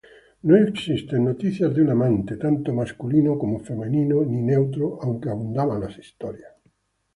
No existen noticias de un amante, tanto masculino como femenino, aunque abundaban las historias.